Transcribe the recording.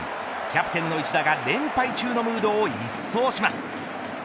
キャプテンの一打が連敗中のムードを一掃します。